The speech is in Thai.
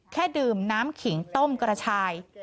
ดื่มน้ำขิงต้มกระชาย